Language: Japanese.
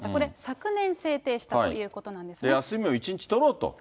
これ、昨年、制定したということ休みを１日取ろうと。